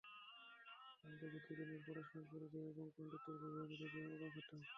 আমি তাঁদের দুজনের পড়াশোনার পরিধি এবং পাণ্ডিত্যের গভীরতা দেখে অবাক হতাম।